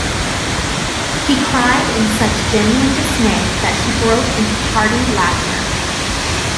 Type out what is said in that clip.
He cried in such genuine dismay that she broke into hearty laughter.